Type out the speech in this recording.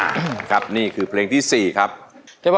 คุณผู้ชมอินโทรเพลงที่สี่มาได้เลยครับ